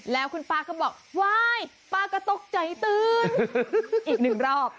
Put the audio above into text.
แล้วคุณป้าก็บอกว้ายป้าก็ตกใจตื่นอีกหนึ่งรอบ